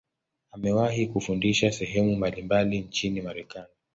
Amewahi kufundisha sehemu mbalimbali nchini Marekani.